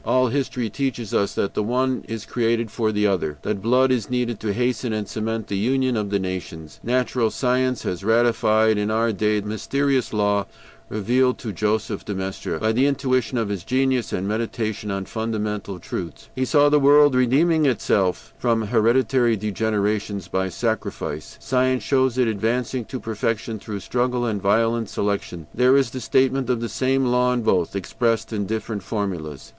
All history teaches us that the one is created for the other, that blood is needed to hasten and cement the union of the nations. Natural science has ratified in our day the mysterious law revealed to Joseph de Maistre by the intuition of his genius and by meditation on fundamental truths; he saw the world redeeming itself from hereditary degenerations by sacrifice; science shows it advancing to perfection through struggle and violent selection; there is the statement of the same law in both, expressed in different formulas.